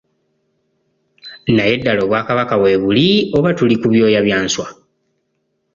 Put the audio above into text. Naye ddala Obwakabaka weebuli oba tuli ku byoya bya nswa.